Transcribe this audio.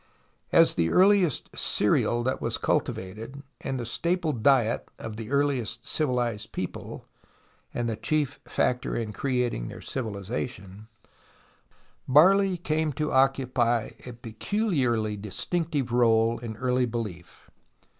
As the earliest cereal that was cultivated and the staple diet of the earliest civilized people — and the chief factor in creating their civilization — barley: came to occupy a peculiarly distinctive role in early belief.